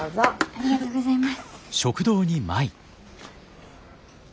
ありがとうございます。